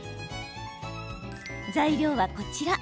材料は、こちら。